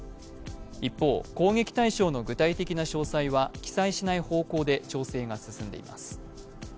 一方、攻撃対象の具体的な詳細は記載しない方向で調整が進んでいます。